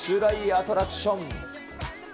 アトラクション。